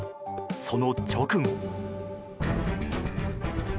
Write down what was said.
その直後。